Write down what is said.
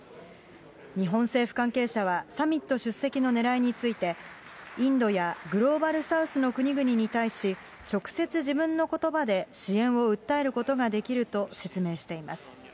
日本政府関係者は、サミット出席のねらいについて、インドやグローバルサウスの国々に対し、直接自分のことばで支援を訴えることができると説明しています。